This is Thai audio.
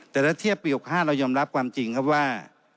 แต่ถ้าเทียบปี๖๕เรายอมรับความจริงครับว่า